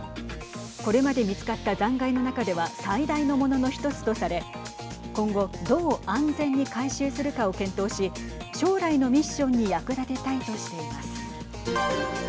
これまで見つかった残骸の中では最大のものの一つとされ今後どう安全に回収するかを検討し将来のミッションに役立てたいとしています。